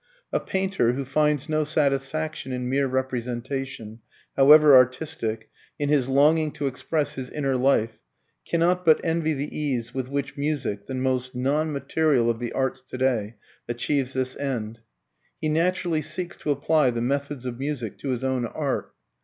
A painter, who finds no satisfaction in mere representation, however artistic, in his longing to express his inner life, cannot but envy the ease with which music, the most non material of the arts today, achieves this end. He naturally seeks to apply the methods of music to his own art.